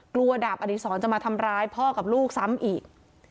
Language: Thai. ดาบอดีศรจะมาทำร้ายพ่อกับลูกซ้ำอีก